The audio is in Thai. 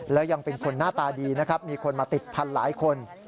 และยังเป็นคนหน้าตาดีนะครับมีคนมาติดพันหลายคน